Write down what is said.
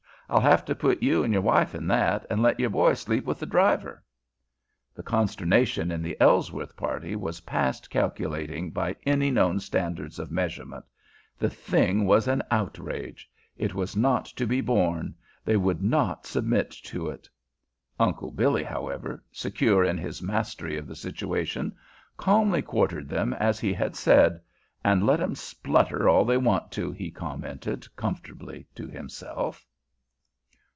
I'll have to put you an' your wife in that, an' let your boy sleep with th' driver." The consternation in the Ellsworth party was past calculating by any known standards of measurement. The thing was an outrage! It was not to be borne! They would not submit to it! Uncle Billy, however, secure in his mastery of the situation, calmly quartered them as he had said. "An' let 'em splutter all they want to," he commented comfortably to himself.